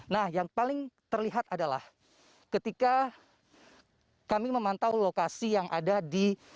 nah yang paling terlihat adalah ketika kami memantau lokasi yang ada di